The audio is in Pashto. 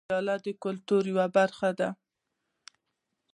پیاله د کلتور یوه برخه ده.